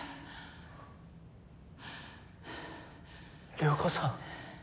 涼子さん。